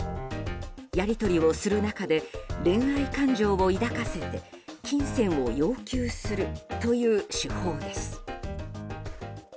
やり取りをする中で恋愛感情を抱かせて金銭を要求するという手法です。